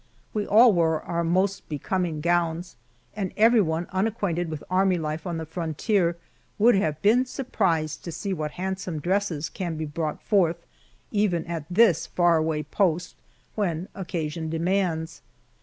We all wore our most becoming gowns, and anyone unacquainted with army life on the frontier would have been surprised to see what handsome dresses can be brought forth, even at this far away post, when occasion demands.